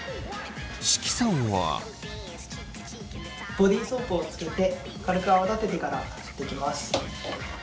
ボディソープをつけて軽く泡立ててからそっていきます。